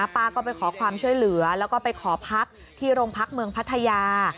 ป้าก็ไปขอความช่วยเหลือแล้วก็ไปขอพักที่โรงพักเมืองพัทยา